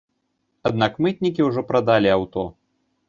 Аднак мытнікі ўжо прадалі аўто.